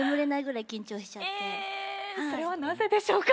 えそれはなぜでしょうか？